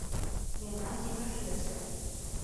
Мемнам сеҥаш йӧсӧ.